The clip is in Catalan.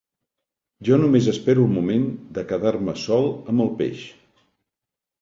Jo només espero el moment de quedar-me sol amb el peix.